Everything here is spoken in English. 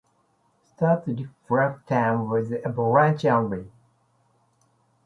Stats reflect time with the Avalanche only.